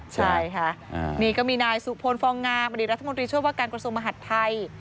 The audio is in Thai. ใช่ค่ะนี่ก็มีนายสุพลฟองงามอดีตรัฐมนตรีช่วยว่าการกระทรวงมหัฐไทย